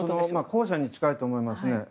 後者に近いと思います。